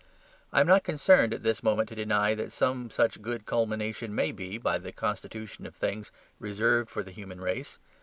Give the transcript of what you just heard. I am not concerned at this moment to deny that some such good culmination may be, by the constitution of things, reserved for the human race.